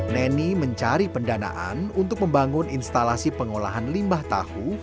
neni mencari pendanaan untuk membangun instalasi pengolahan limbah tahu